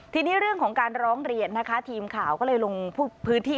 ทีนี้เรื่องของการร้องเรียนนะคะทีมข่าวก็เลยลงพื้นที่